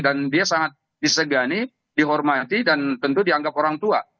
dan dia sangat disegani dihormati dan tentu dianggap orang tua